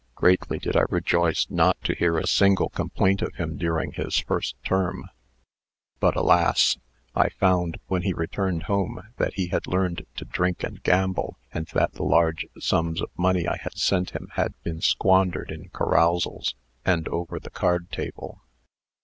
Greatly did I rejoice not to hear a single complaint of him during his first term. But, alas! I found, when he returned home, that he had learned to drink and gamble, and that the large sums of money I had sent him had been squandered in carousals, and over the card table.